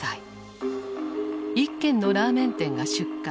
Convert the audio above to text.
一軒のラーメン店が出火。